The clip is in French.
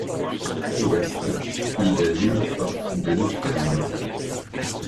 À l’ouest il est limitrophe de l’Ukraine.